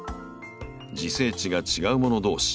自生地が違うもの同士